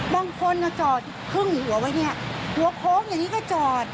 บางคนจอดครึ่งหัวไว้เนี่ยหัวโค้งอย่างนี้ก็จอด